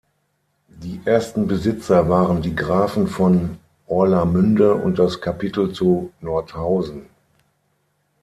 Die ersten Besitzer waren die Grafen von Orlamünde und das Kapitel zu Nordhausen.